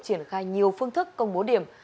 triển khai nhiều phương thức công bố điểm